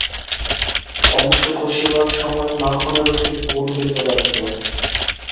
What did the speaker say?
অংশ কষিবার সময় মাখনেরও ঠিক ভুল হইতে লাগিল।